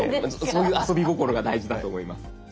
そういう遊び心が大事だと思います。